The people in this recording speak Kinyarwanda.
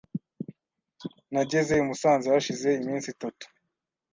Nageze i Musanze hashize iminsi itatu,